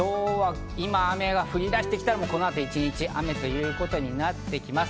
今、雨が降り出してきたので、この後、一日雨ということになってきます。